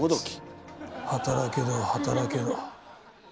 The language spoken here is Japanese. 働けど働けど